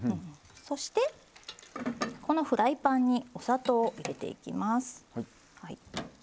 そしてこのフライパンにお砂糖を入れていきます。